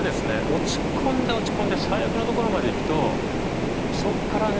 落ち込んで落ち込んで最悪のところまでいくとそっからね